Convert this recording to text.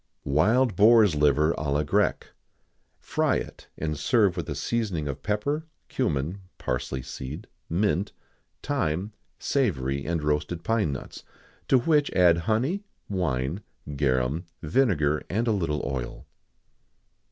[XIX 82] Wild Boar's Liver à la Grecque. Fry it, and serve with a seasoning of pepper, cummin, parsley seed, mint, thyme, savory, and roasted pine nuts; to which add honey, wine, garum, vinegar, and a little oil.